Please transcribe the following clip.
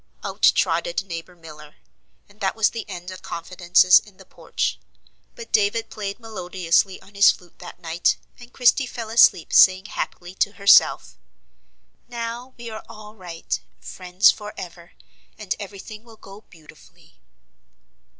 Out trotted neighbor Miller, and that was the end of confidences in the porch; but David played melodiously on his flute that night, and Christie fell asleep saying happily to herself: "Now we are all right, friends for ever, and every thing will go beautifully."